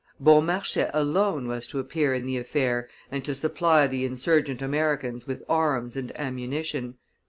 Beaumarchais alone was to appear in the affair and to supply the insurgent Americans with arms and ammunition.